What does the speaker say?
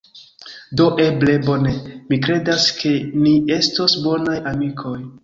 Do eble, bone, mi kredas ke ni estos bonaj amikoj